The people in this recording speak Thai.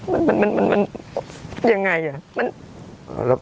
มันมันมันมันมันยังไงอ่ะ